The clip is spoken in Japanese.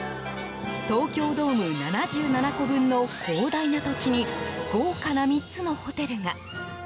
東京ドーム７７個分の広大な土地に豪華な３つのホテルが。